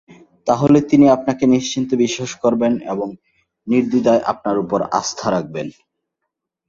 তাহলে তিনি আপনাকে নিশ্চিন্তে বিশ্বাস করবেন এবং নির্দ্বিধায় আপনার ওপর আস্থা রাখবেন।